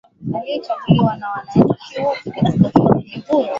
savanna na vumbi la madini linalopeperushwa hujitokeza kiasili